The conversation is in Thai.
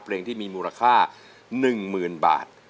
เพลงที่มีมูลค่า๑๐๐๐บาท